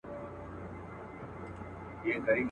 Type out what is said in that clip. ترېنه وغواړه لمن كي غيرانونه.